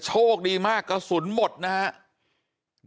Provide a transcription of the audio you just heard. บอกแล้วบอกแล้วบอกแล้ว